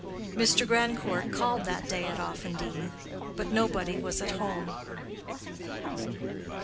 Mr. Grandcourt called that day at Offendene, but nobody was at home.